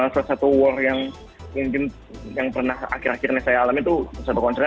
salah satu war yang mungkin yang pernah akhir akhirnya saya alami itu satu konsernya